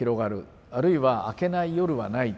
あるいは明けない夜はない。